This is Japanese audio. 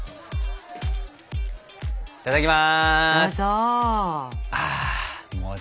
いただきます。